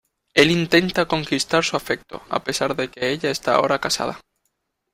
Él intenta conquistar su afecto, a pesar de que ella está ahora casada.